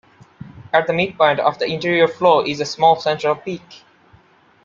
At the midpoint of the interior floor is a small central peak.